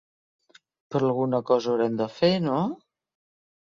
Però alguna cosa haurem de fer, no?